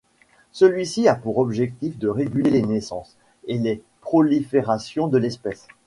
Celui-ci a pour objectif de réguler les naissances et la prolifération de l'espèce.